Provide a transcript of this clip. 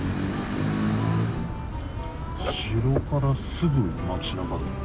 城からすぐ街なかだ。